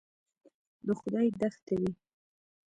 د خدای دښتې وې.